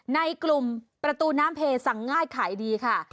ในกลุ่มประตูน้ำเพสั่งง่ายขายดีค่ะ